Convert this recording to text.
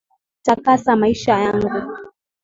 Takasa maisha yangu